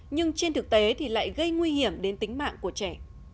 nhưng trên thực tế thì lại gây nguy hiểm đến tính mạng của trẻ